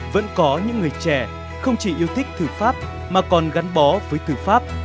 vẫn có những người trẻ không chỉ yêu thích thư pháp mà còn gắn bó với thư pháp